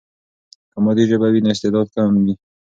که مادي ژبه وي، نو استعداد کم وي.